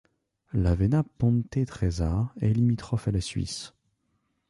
Lavena Ponte Tresa est limitrophe à la Suisse.